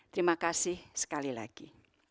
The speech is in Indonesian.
terima kasih sekali lagi